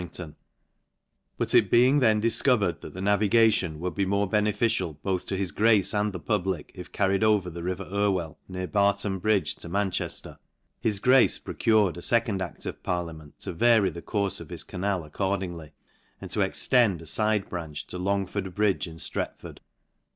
* rington ; but it being then difcovered that the navi gation would be more beneficial both to his grace and the public, if carried over the river Irwell, near Barton bridge, to Manchefter ; his grace procured a fecond a£r of parliament to vary the courfe of his canal accordingly, and to extend a fide branch to Longford bridge, in hiretford.